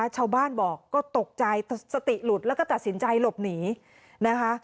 ชาวบ้านบอกก็ตกใจสติหลุดแล้วก็ตัดสินใจหลบหนีนะคะ